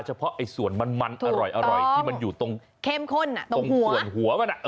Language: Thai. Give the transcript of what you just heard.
เฉพาะส่วนมันอร่อยที่มันอยู่ตรงเข้มข้นตรงส่วนหัวมัน